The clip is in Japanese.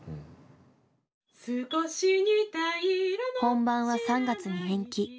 本番は３月に延期。